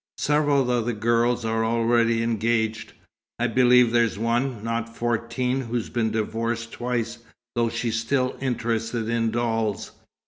Several of the girls are already engaged. I believe there's one, not fourteen, who's been divorced twice, though she's still interested in dolls.